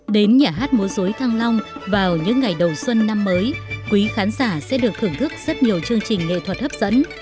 đến nhà hát múa dối thăng long vào những ngày đầu xuân năm mới quý khán giả sẽ được thưởng thức rất nhiều chương trình nghệ thuật hấp dẫn